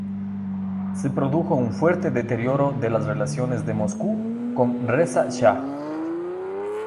Se produjo un fuerte deterioro de las relaciones de Moscú con Reza Shah.